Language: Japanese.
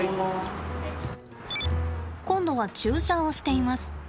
今度は注射をしています。